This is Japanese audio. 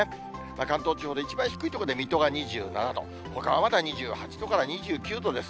関東地方で一番低い所で、水戸が２７度、ほかはまだ２８度から２９度です。